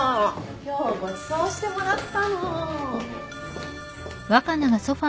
今日ごちそうしてもらったの。